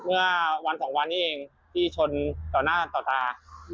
เมื่อวันสองวันนี้เองที่ชนต่อหน้าต่อตา